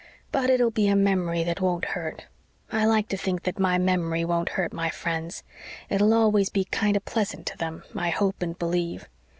But it'll be a memory that won't hurt I like to think that my memory won't hurt my friends it'll always be kind of pleasant to them, I hope and believe.